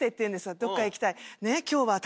どっか行きたい。